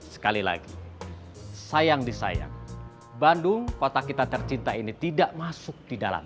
sekali lagi sayang di sayang bandung kota kita tercinta ini tidak masuk